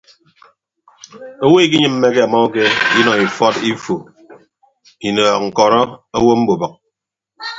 Owo ikiyemme amauke inọ ifọt ifu inọọk ñkọrọ owo mbubịk.